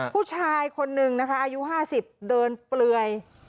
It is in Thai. ผู้ชายคนหนึ่งนะคะอายุห้าสิบเดินเปลือย